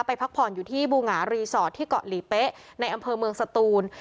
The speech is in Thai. พักผ่อนอยู่ที่บูหงารีสอร์ทที่เกาะหลีเป๊ะในอำเภอเมืองสตูน